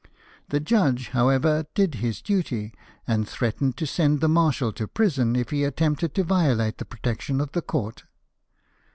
The judge, however, did his duty, and threatened to send the marshal to prison if he attempted to violate the protection of the Court.